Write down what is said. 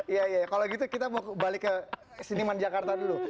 iya iya kalau gitu kita mau balik ke siniman jakarta dulu